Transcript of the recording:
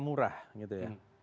murah gitu ya